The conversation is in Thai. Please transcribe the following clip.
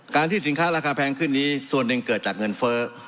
ที่สินค้าราคาแพงขึ้นนี้ส่วนหนึ่งเกิดจากเงินเฟ้อ